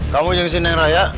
kamu nyurusin dengan raya